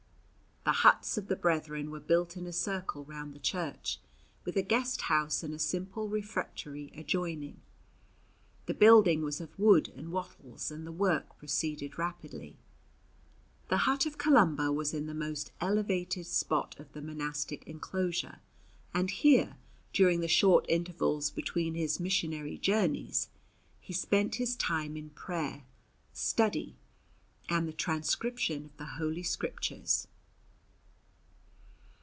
The huts of the brethren were built in a circle round the church, with a guest house and a simple refectory adjoining. The building was of wood and wattles, and the work proceeded rapidly. The hut of Columba was in the most elevated spot of the monastic enclosure, and here, during the short intervals between his missionary journeys, he spent his time in prayer, study, and the transcription of the Holy Scriptures.